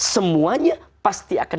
semuanya pasti akan